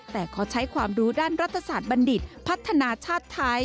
แต่ขอใช้ความรู้ด้านรัฐศาสตร์บัณฑิตพัฒนาชาติไทย